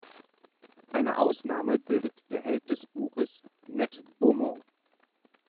Eine Ausnahme bildet der Held des Buches Ned Beaumont.